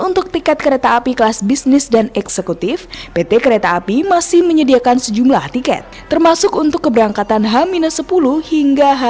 untuk tiket kereta api kelas bisnis dan eksekutif pt kereta api masih menyediakan sejumlah tiket termasuk untuk keberangkatan h sepuluh hingga h dua